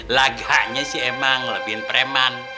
laganya sih emang lebih periman